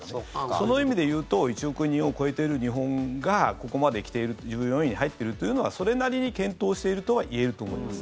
その意味でいうと１億人を超えている日本がここまで来ている１４位に入っているというのはそれなりに健闘しているとはいえると思います。